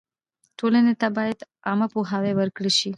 ټولنې ته باید عامه پوهاوی ورکړل سي.